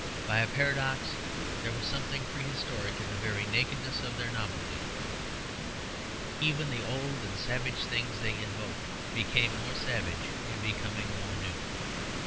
By a paradox, there was something prehistoric in the very nakedness of their novelty. Even the old and savage things they invoked became more savage in becoming more new.